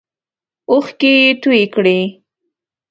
اوښکې یې تویی کړې.